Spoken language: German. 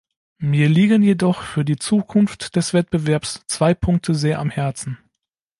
Mir liegen jedoch für die Zukunft des Wettbewerbs zwei Punkte sehr am Herzen.